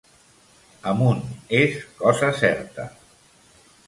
Amunt, és cosa certa!